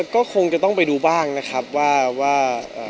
ก็คงจะต้องไปดูบ้างนะครับว่า